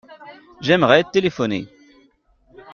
J’aimerais téléphoner.